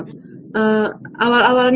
perawat ya mbak ika ya